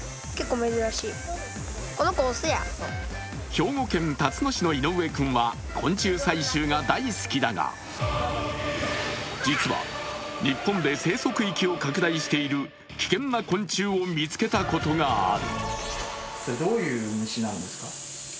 兵庫県たつの市の井上君は昆虫採集が大好きだが、実は日本で生息域を拡大している危険な昆虫を見つけたことがある。